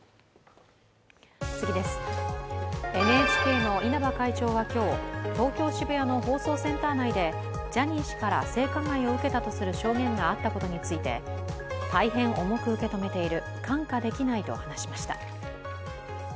ＮＨＫの稲葉会長は今日、東京・渋谷の放送センター内でジャニー氏から性加害を受けたとする証言があったことについて大変重く受け止めている、看過できないと話しました。